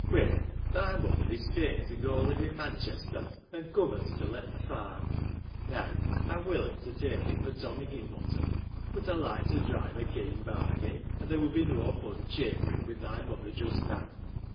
' Will, thy mother is fain to go li ve in Man chester, and covets to let the farm. Now, I 'm willing to take it for Tom Higginbotham ; but I like to drive a keen bargain, and there would be no fun chaffering with thy mother just now.